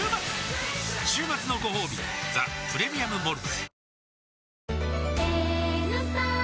週末のごほうび「ザ・プレミアム・モルツ」